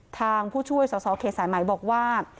ทางผู้ช่วยสาวเคสสายหมายบอกว่า